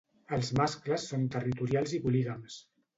Els mascles són territorials i polígams.